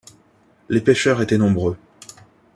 Les pêcheurs étaient nombreux.